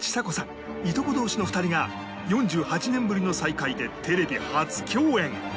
いとこ同士の２人が４８年ぶりの再会でテレビ初共演！